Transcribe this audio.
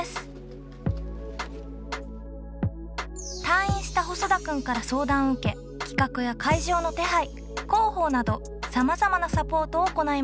退院した細田くんから相談を受け企画や会場の手配広報などさまざまなサポートを行いました。